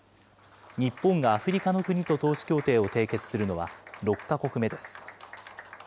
日本がアフリカの国と投資協定を締結するのは６か国目です。